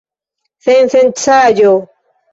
Sensencaĵo!